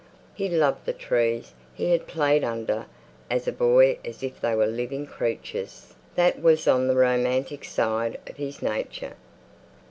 He loved the trees he had played under as a boy as if they were living creatures; that was on the romantic side of his nature.